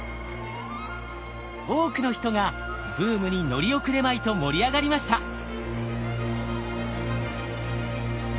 多くの人がブームに乗り遅れまいと盛り上がりました。